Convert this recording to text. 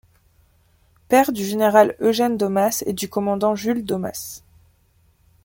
Père du général Eugène Daumas et du commandant Jules Daumas.